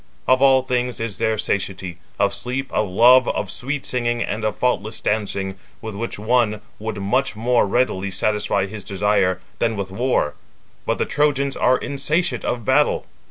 Of all things is there satiety,—of sleep, of love, of sweet singing, and of faultless dancing, with which one would much more readily satisfy his desire, than with war; but the Trojans are insatiate of battle."